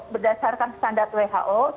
berdasarkan standar who